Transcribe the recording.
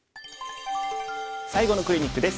最後のクリニックです。